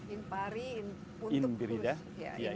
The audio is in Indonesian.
impari untuk khusus